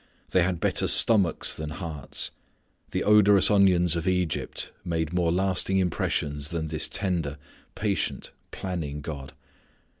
They had better stomachs than hearts. The odorous onions of Egypt made more lasting impressions than this tender, patient, planning God.